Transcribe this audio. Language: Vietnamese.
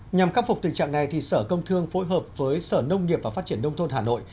nhằm khắc phục tình trạng này sở công thương phối hợp với sở nông nghiệp và phát triển nông thôn hà nội